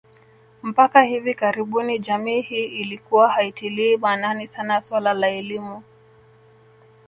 Mpaka hivi karibuni jamii hii ilikuwa haitilii maanani sana suala la elimu